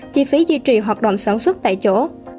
chi phí duy trì hoạt động sản xuất tại chỗ